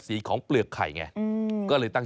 สวัสดีครับ